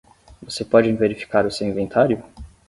Você pode verificar o seu inventário?